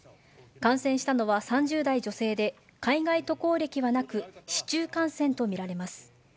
感染したのは３０代女性で、海外渡航歴はなく、市中感染と見られます。